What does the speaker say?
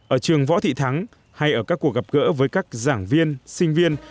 ở trường võ thị thắng hay ở các cuộc gặp gỡ với các giảng viên sinh viên